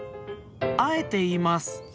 あえて言います。